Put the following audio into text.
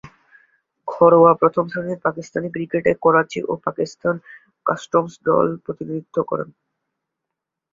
ঘরোয়া প্রথম-শ্রেণীর পাকিস্তানি ক্রিকেটে করাচি ও পাকিস্তান কাস্টমস দলের প্রতিনিধিত্ব করেন।